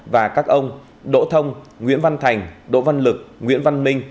hai nghìn một mươi sáu hai nghìn hai mươi một và các ông đỗ thông nguyễn văn thành đỗ văn lực nguyễn văn minh